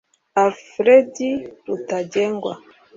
Alfred Rutagengwa